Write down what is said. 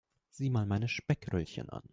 Sieh mal meine Speckröllchen an.